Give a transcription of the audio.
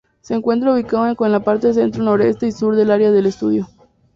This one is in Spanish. Se encuentra ubicado en la parte centro, Noreste y Sur del área de estudio.